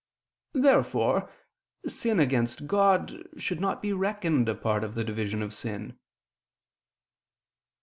Therefore sin against God should not be reckoned a part of the division of sin.